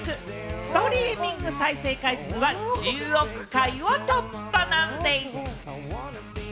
ストリーミング再生回数は１０億回を突破なんでぃす。